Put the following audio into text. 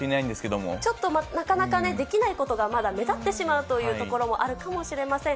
ちょっとなかなかね、できないことがまだ目立ってしまうというところもあるかもしれません。